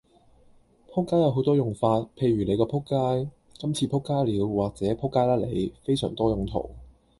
仆街有好多用法，譬如你個仆街，今次仆街了或者仆街啦你，非常多用途